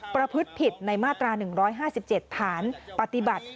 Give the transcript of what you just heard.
ประพฤติผิดในมาตรา๑๕๗ฐานปฏิบัติ